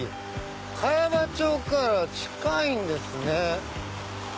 茅場町から近いんですね。